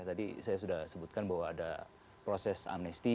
tadi saya sudah sebutkan bahwa ada proses amnesti